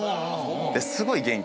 すごい元気。